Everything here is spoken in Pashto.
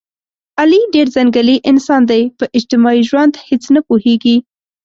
علي ډېر ځنګلي انسان دی، په اجتماعي ژوند هېڅ نه پوهېږي.